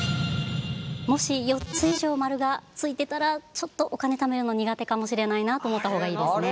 もし４つ以上○が付いてたらちょっとお金ためるの苦手かもしれないなと思った方がいいですね。